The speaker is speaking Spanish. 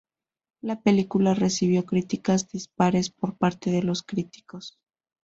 La película recibió críticas dispares por parte de los críticos.